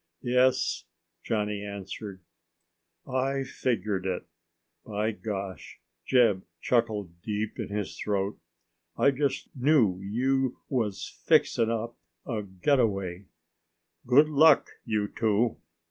"Yes," Johnny answered. "I figgered it, by gosh!" Jeb chuckled deep in his throat. "I just knew you was fixin' up a getaway. Good luck, you two!"